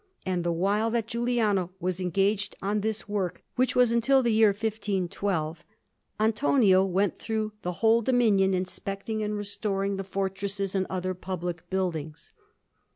And the while that Giuliano was engaged on this work, which was until the year 1512, Antonio went through the whole dominion, inspecting and restoring the fortresses and other public buildings.